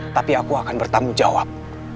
tapi aku akan bertanggung jawab